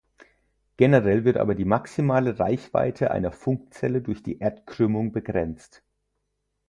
Generell wird aber die maximale Reichweite einer Funkzelle durch die Erdkrümmung begrenzt.